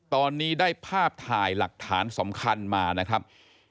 ตอนนี้ได้ภาพถ่ายหลักฐานสำคัญมานะครับ